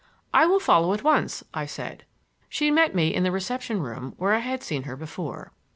"I will follow at once," I said. She met me in the reception room where I had seen her before.